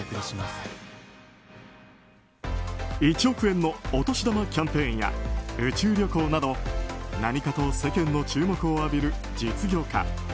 １億円のお年玉キャンペーンや宇宙旅行など何かと世間の注目を浴びる実業家